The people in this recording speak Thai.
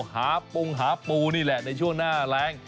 หาปงหาปูนี่แหละในช่วงหน้าแรง